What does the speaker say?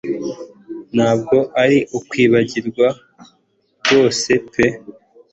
Ntabwo ari ukwibagirwa rwose pe